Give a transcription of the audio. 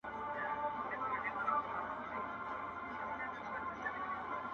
دا يم اوس هم يم او له مرگه وروسته بيا يمه زه.